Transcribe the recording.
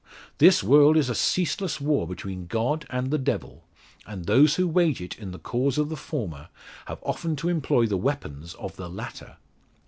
This world is a ceaseless war between God and the devil; and those who wage it in the cause of the former have often to employ the weapons of the latter.